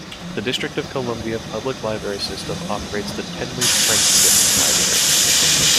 The District of Columbia Public Library system operates the Tenley-Friendship Library.